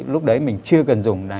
lúc đấy mình chưa cần dùng